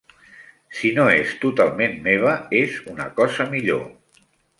Si no és totalment meva, és una cosa millor.